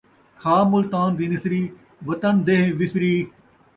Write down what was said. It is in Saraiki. کھا ملتان دی نِسری ، وطن دیہہ وِسری